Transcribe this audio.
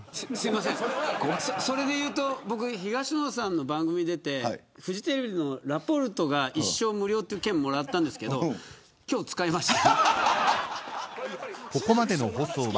それでいうと東野さんの番組に出てフジテレビのラ・ポルトが一生無料という券をもらったんですけど今日、使いました。